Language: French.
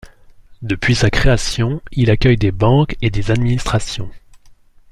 Depuis sa création il accueille des banques et des administrations.